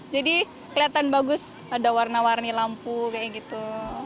jadi kelihatan bagus ada warna warni lampu kayak gitu